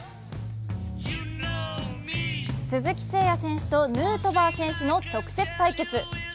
鈴木誠也選手とヌートバー選手の直接対決。